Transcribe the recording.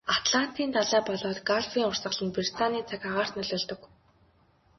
Атлантын далай болоод Галфын урсгал нь Британийн цаг агаарт нөлөөлдөг.